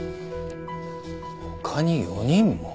他に４人も？